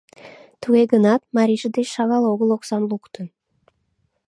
Туге гынат, марийже деч шагал огыл оксам луктын.